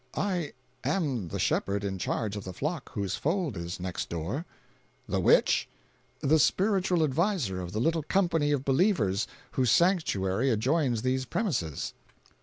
"I am the shepherd in charge of the flock whose fold is next door." "The which?" "The spiritual adviser of the little company of believers whose sanctuary adjoins these premises."